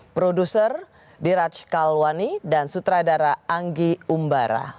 produser diraj kalwani dan sutradara anggi umbara